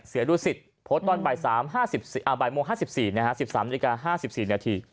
เสือรุศิษย์โพสต์ตอนบ่ายโมง๑๓๕๔น